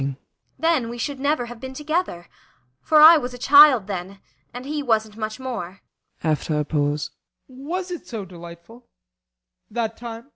] Then we should never have been together. For I was a child then and he wasn't much more. BORGHEIM. [After a pause.] Was it so delightful that time?